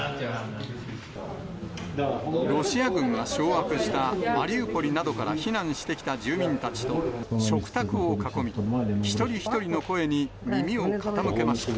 ロシア軍が掌握したマリウポリなどから避難してきた住民たちと食卓を囲み、一人一人の声に耳を傾けました。